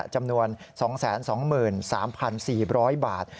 จำนวน๒๒๓๔๐๐บาท